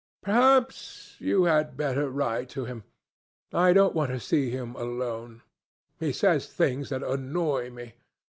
Perhaps you had better write to him. I don't want to see him alone. He says things that annoy me.